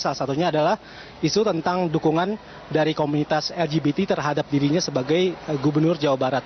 salah satunya adalah isu tentang dukungan dari komunitas lgbt terhadap dirinya sebagai gubernur jawa barat